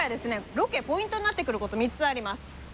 ロケポイントになってくること３つあります。